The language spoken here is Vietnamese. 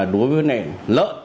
đối với nền lợi